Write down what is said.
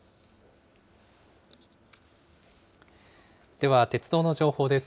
では鉄道の情報です。